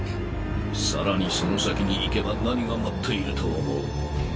さらにその先に行けば何が待っていると思う？